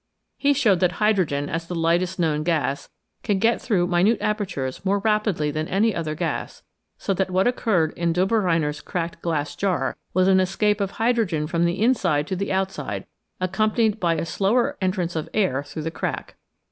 He showed that hydrogen, as the lightest known gas, can get through minute apertures more rapidly than any other gas, so that what occurred in Dobereiner 's cracked glass jar was an escape of hydrogen from the inside to the outside, accompanied by a slower entrance of air through the crack.